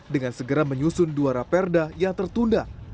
dengan segera menyusun dua raperda yang tertunda